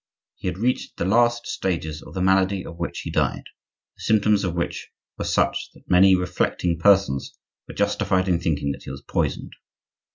He had reached the last stages of the malady of which he died, the symptoms of which were such that many reflecting persons were justified in thinking that he was poisoned.